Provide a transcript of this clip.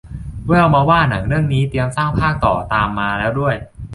แว่วมาว่าหนังเรื่องนี้เตรียมสร้างภาคต่อตามมาแล้วด้วย